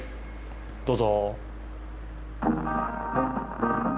どうぞ。